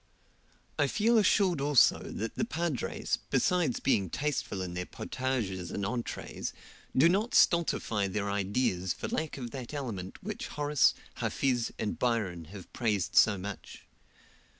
I feel assured also that the padres, besides being tasteful in their potages and entrees, do not stultify their ideas for lack of that element which Horace, Hafiz, and Byron have praised so much.